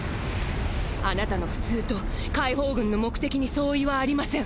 あなたの普通と解放軍の目的に相違はありません。